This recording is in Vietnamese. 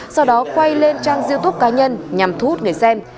sau đó quay lên trang youtube cá nhân nhằm thu hút người xem